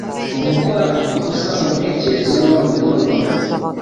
ku gukora amakosa mu ntekerezo no mu bikorwa.